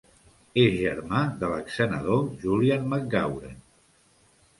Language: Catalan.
És germà de l'exsenador Julian McGauran.